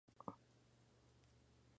Dos de ellas incluyen un tenor instrumental.